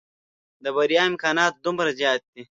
د بريا امکانات دومره زيات دي.